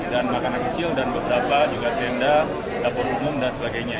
dan makanan kecil dan beberapa juga rendah dapur umum dan sebagainya